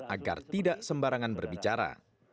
agar tidak sembarangan berbicara